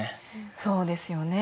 そうですよね。